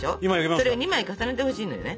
それを２枚重ねてほしいのよね。